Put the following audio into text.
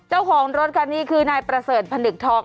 เจ้าของรถคันนี้คือนายประเสริฐพนึกทอง